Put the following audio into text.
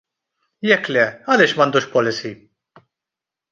Jekk le għaliex m'għandux policy?